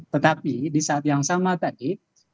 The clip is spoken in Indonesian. tetapi di saat yang sama tadi